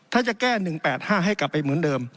ถ้าจะแก้๑๘๕ให้กลับไปเหมือนเดิม